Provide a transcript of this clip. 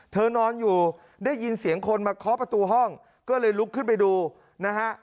นอนอยู่ได้ยินเสียงคนมาเคาะประตูห้องก็เลยลุกขึ้นไปดูนะฮะ